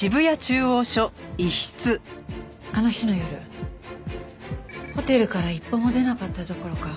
あの日の夜ホテルから一歩も出なかったどころか